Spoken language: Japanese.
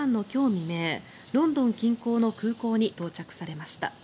未明ロンドン近郊の空港に到着されました。